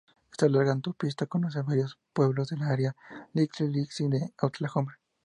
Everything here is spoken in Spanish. Esta larga autopista conecta varios pueblos en el área "Little Dixie" de Oklahoma.